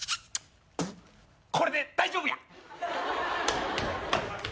これで大丈夫や。